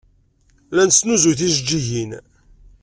La nesnuzuy tijeǧǧigin.